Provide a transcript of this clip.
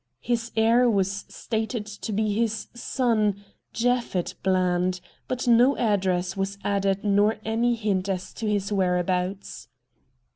His heir was stated to be THE POCKET BOOK 173 his son, Japhet Bland, but no address was added nor any hint as to his where abouts.